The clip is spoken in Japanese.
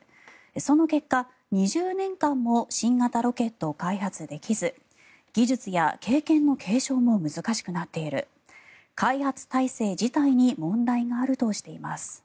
その結果、２０年間も新型ロケットを開発できず技術や経験の継承も難しくなっている開発体制自体に問題があるとしています。